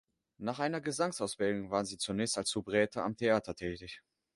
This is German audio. Nach einer Gesangsausbildung war sie zunächst als Soubrette am Theater tätig.